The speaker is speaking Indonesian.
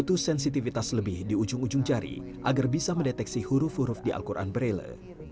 itu sensitivitas lebih di ujung ujung jari agar bisa mendeteksi huruf huruf di al quran braille